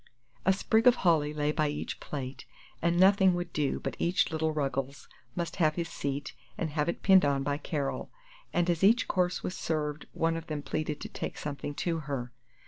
A sprig of holly lay by each plate, and nothing would do but each little Ruggles must leave his seat and have it pinned on by Carol, and as each course was served one of them pleaded to take something to her.